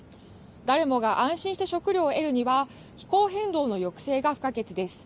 誰もが安心して食料を得るには、気候変動の抑制が不可欠です。